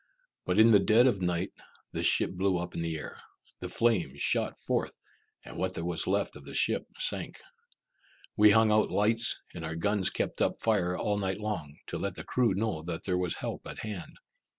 But in the dead of the night, the ship blew up in the air, the flames shot forth, and what there was left of the ship sank. We hung out lights, and our guns kept up a fire all night long, to let the crew know that there was help at hand.